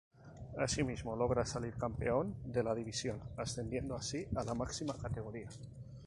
Asimismo logra salir campeón de la división, ascendiendo así a la máxima categoría.